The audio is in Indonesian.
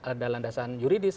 ada landasan yuridis